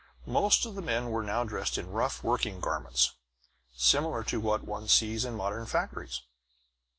Most of the men were now dressed in rough working garments, similar to what one sees in modern factories.